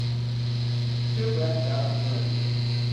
Two black dogs running